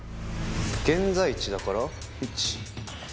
現在地だから？